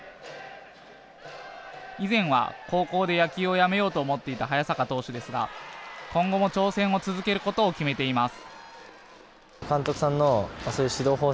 以前は、高校で野球を辞めようと思っていた早坂投手ですが今後も挑戦を続けることを決めています。